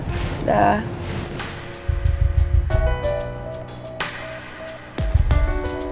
tidak ada apa apa makasih ya mbak